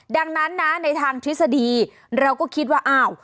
ดังนั้นนะในทางทฤษฎีเราก็คิดว่าอ้าว